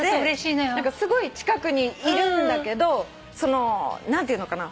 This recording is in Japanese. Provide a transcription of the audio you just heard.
すごい近くにいるんだけど何ていうのかな